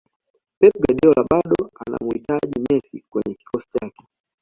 pep guardiola bado anamuhitaji messi kwenye kikosi chake